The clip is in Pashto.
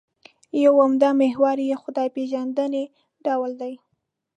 یو عمده محور یې خدای پېژندنې ډول دی.